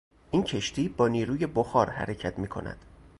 این کشتی با نیروی بخار حرکت میکند.